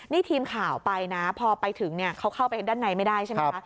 นี่ทีมข่าวไปนะพอไปถึงเขาเข้าไปด้านในไม่ได้ใช่ไหมคะ